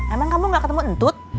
emang kamu gak ketemu entut